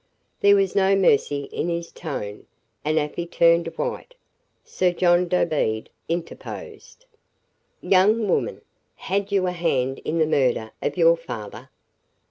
There was no mercy in his tone, and Afy turned white. Sir John Dobede interposed. "Young woman, had you a hand in the murder of your father?"